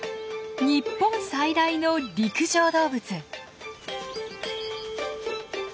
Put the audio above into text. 日本最大の陸上動物。